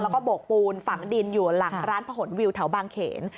แล้วก็โบกปูนฝังดินอยู่หลังร้านผนวิวแถวบางเขน